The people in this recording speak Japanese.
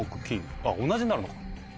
あっ同じになるのか。